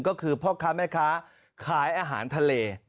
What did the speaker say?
ก็คือพ่อค้าแม่ค้าขายอาหารทะเล